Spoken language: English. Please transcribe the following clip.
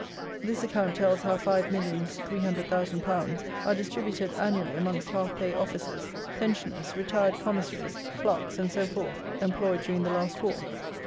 This account tells how five millions three hundred thousand pounds are distributed annually amongst half pay officers, pensioners, retired commissaries, clerks, and so forth, employed during the last war.